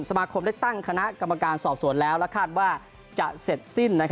สมาคมได้ตั้งคณะกรรมการสอบสวนแล้วและคาดว่าจะเสร็จสิ้น